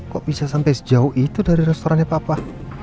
kok bisa sampai sejauh itu dari restorannya papa